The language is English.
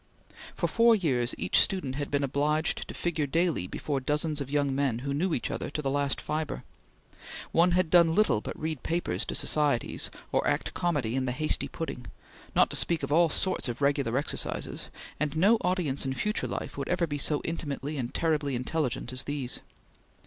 For four years each student had been obliged to figure daily before dozens of young men who knew each other to the last fibre. One had done little but read papers to Societies, or act comedy in the Hasty Pudding, not to speak of regular exercises, and no audience in future life would ever be so intimately and terribly intelligent as these.